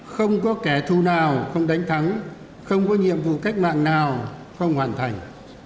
không có kẻ thù nào không đánh thắng không có nhiệm vụ cách mạng nào không hoàn thành